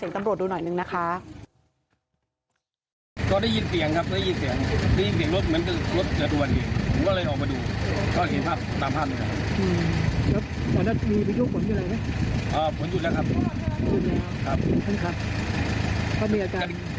กระเด็นออกรถ